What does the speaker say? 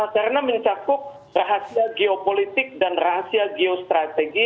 karena mencakup rahasia geopolitik dan rahasia geostrategi